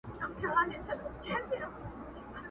o هر څه پر خپل وخت ښه خوند کوي!